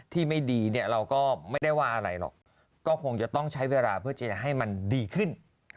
ที่ไม่ดีเราก็ไม่ได้ว่าอะไรหรอกก็คงจะต้องใช้เวลาเพื่อจะให้มันดีขึ้น